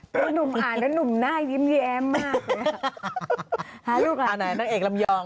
เดี๋ยวนุ่มอ่านแล้วนุ่มหน้ายิ้มแย้งมาก